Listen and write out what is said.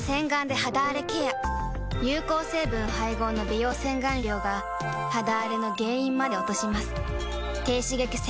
有効成分配合の美容洗顔料が肌あれの原因まで落とします